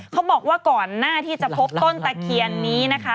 เขาบอกว่าก่อนหน้าที่จะพบต้นตะเคียนนี้นะคะ